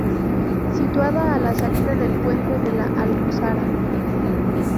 Situada a la salida del puente de la Almozara.